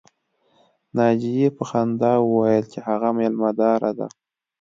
ناجیې په خندا وویل چې هغه مېلمه داره ده